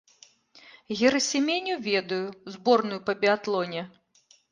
Герасіменю ведаю, зборную па біятлоне.